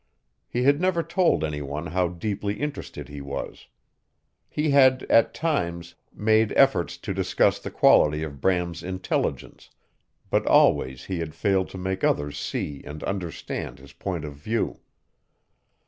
He had never told any one how deeply interested he was. He had, at times, made efforts to discuss the quality of Bram's intelligence, but always he had failed to make others see and understand his point of view.